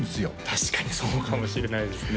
確かにそうかもしれないですね